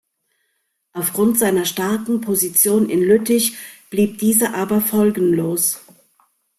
Auf Grund seiner starken Position in Lüttich blieb diese aber folgenlos.